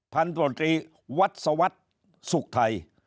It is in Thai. พันธุรกิจวัดสวรรค์สุขไทย